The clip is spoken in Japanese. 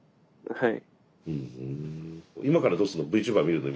はい。